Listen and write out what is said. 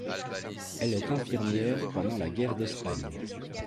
Elle est infirmière pendant la guerre d’Espagne.